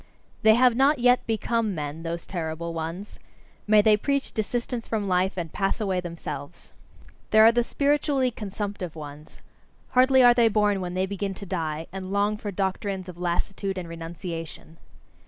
They have not yet become men, those terrible ones: may they preach desistance from life, and pass away themselves! There are the spiritually consumptive ones: hardly are they born when they begin to die, and long for doctrines of lassitude and renunciation.